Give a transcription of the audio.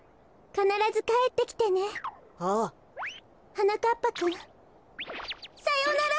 はなかっぱくんさようなら！